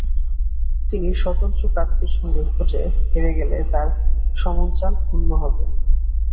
তিনি স্বতন্ত্র প্রার্থীর সঙ্গে ভোটে হেরে গেলে তাঁর সমঞ্চান ক্ষুণ্ন হবে।